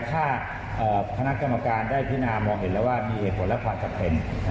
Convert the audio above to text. ถ้าคณะกรรมการได้พินามองเห็นแล้วว่ามีเหตุผลและความจำเป็น